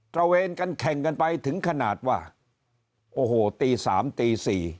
ระเวนกันแข่งกันไปถึงขนาดว่าโอ้โหตี๓ตี๔